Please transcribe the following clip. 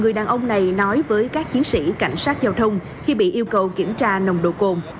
người đàn ông này nói với các chiến sĩ cảnh sát giao thông khi bị yêu cầu kiểm tra nồng độ cồn